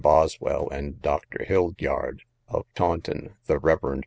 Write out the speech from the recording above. Boswell, and Dr. Hildyard, of Taunton, the Rev. Mr.